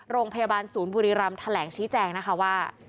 โรงพยาบาลศูนย์บุรีรำแถลงชี้แจงนะคะว่า